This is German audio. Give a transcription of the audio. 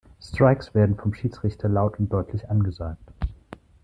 Strikes werden vom Schiedsrichter laut und deutlich angesagt.